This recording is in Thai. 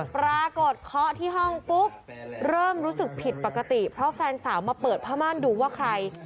เคาะที่ห้องปุ๊บเริ่มรู้สึกผิดปกติเพราะแฟนสาวมาเปิดผ้าม่านดูว่าใคร